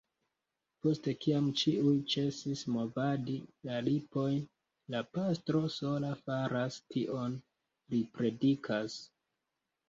Post kiam ĉiuj ĉesis movadi la lipojn, la pastro sola faras tion; li predikas.